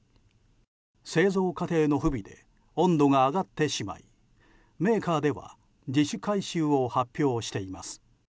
製造過程の不備で温度が上がってしまいメーカーでは自主回収を発表しています。